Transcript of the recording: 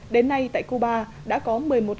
đến nay tại cuba đã có